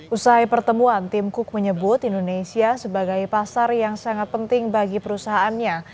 usai pertemuan tim cook menyebut indonesia sebagai pasar yang sangat penting bagi perusahaannya